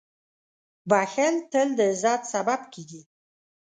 • بښل تل د عزت سبب کېږي.